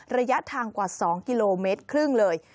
ระยะทางกว่า๒๕กิโลเมตรเลย